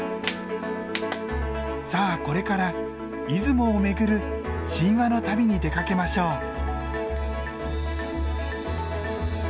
さあこれから出雲を巡る神話の旅に出かけましょう。